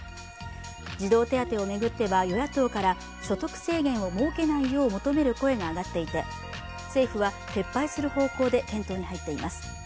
児童手当を巡っては与野党から所得制限を設けないよう求める声が上がっていて政府は撤廃する方向で検討に入っています。